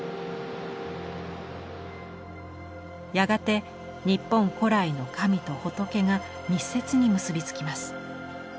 やがて日本古来の神と仏が密接に結び付きます。